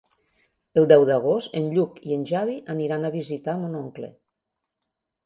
El deu d'agost en Lluc i en Xavi aniran a visitar mon oncle.